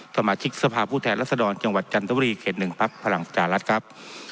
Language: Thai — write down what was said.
สมาชิกสภาพผู้แทนรัศดรจังหวัดจันทร์ตะวัลีเข็ด๑ปรักษ์ฝรั่งจานรัฐครับ